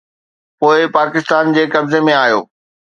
پوءِ پاڪستان جي قبضي ۾ آيو